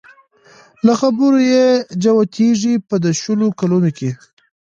له خبرو يې جوتېده په د شلو کلو کې